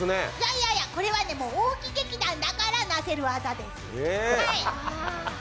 いやいや、これは大木劇団だからなせる業です。